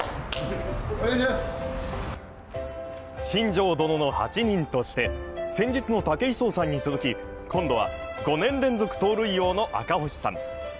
「新庄殿の８人」として先日の武井壮さんに続き、今度は５年連続盗塁王の赤星さん。